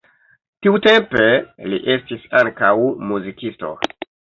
Tiutempe li estis ankaŭ muzikisto.